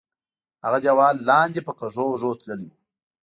هغه دیوال لاندې په کږو وږو تللی وو.